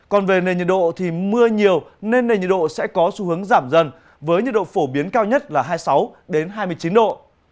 còn về nền nhiệt độ thì mưa nhiều nên nền nhiệt độ sẽ có xu hướng giảm dần với nhiệt độ phổ biến cao nhất là hai mươi sáu hai mươi chín độ